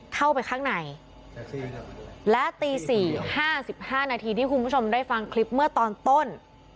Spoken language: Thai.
เข้าไปข้างในและตี๔๕๕นาทีที่คุณผู้ชมได้ฟังคลิปเมื่อตอนต้น